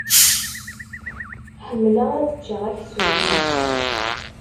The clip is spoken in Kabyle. Ḥemmleɣ ad ččeɣ aksum.